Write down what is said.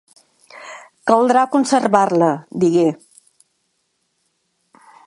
"Caldrà conservar-la", digué.